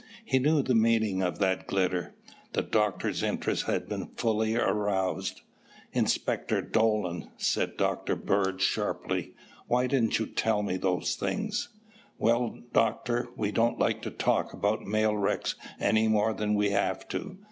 He knew the meaning of that glitter. The Doctor's interest had been fully aroused. "Inspector Dolan," said Dr. Bird sharply, "why didn't you tell me those things?" "Well, Doctor, we don't like to talk about mail wrecks any more than we have to.